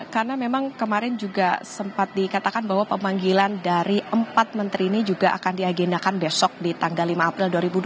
karena memang kemarin juga sempat dikatakan bahwa pemanggilan dari empat menteri ini juga akan di agendakan besok di tanggal lima april dua ribu dua puluh empat